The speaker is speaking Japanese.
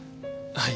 はい。